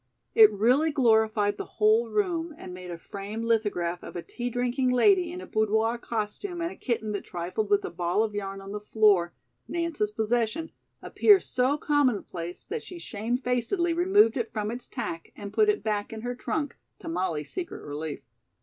It really glorified the whole room and made a framed lithograph of a tea drinking lady in a boudoir costume and a kitten that trifled with a ball of yarn on the floor, Nance's possession, appear so commonplace that she shamefacedly removed it from its tack and put it back in her trunk, to Molly's secret relief.